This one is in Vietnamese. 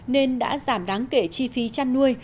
nên đã giảm đáng kể chi phí chăn nuôi